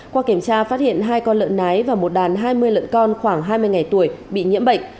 qua kiểm tra phát hiện hai con lợn nái và một đàn hai mươi lợn con khoảng hai mươi ngày tuổi bị nhiễm bệnh